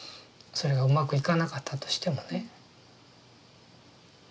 それがうまくいかなかったとしてもね。